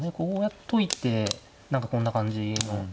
こうやっといてなんかこんな感じの。